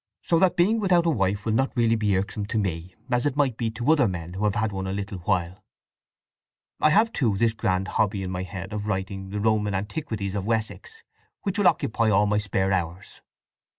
"So that being without a wife will not really be irksome to me, as it might be to other men who have had one a little while. I have, too, this grand hobby in my head of writing 'The Roman Antiquities of Wessex,' which will occupy all my spare hours."